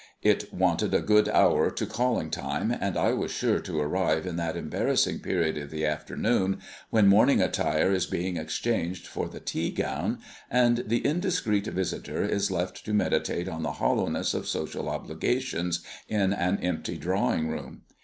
It wanted a good hour to calling time, and I was sure to arrive in that embarrassing period of the afternoon when morning attire is being exchanged for the tea gown, and the indiscreet visitor is left to meditate on the hollowness of social obligations in an empty drawing room.